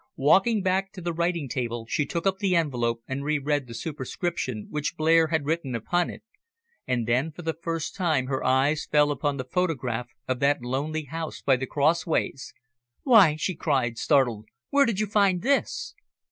Walking back to the writing table she took up the envelope and re read the superscription which Blair had written upon it, and then for the first time her eyes fell upon the photograph of that lonely house by the crossways. "Why!" she cried, startled, "where did you find this?"